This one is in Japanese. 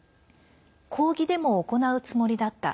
抗議デモを行うつもりだった。